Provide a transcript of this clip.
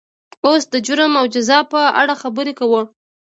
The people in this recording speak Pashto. اوس د جرم او جزا په اړه خبرې کوو.